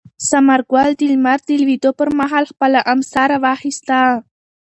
ثمر ګل د لمر د لوېدو پر مهال خپله امسا راواخیسته.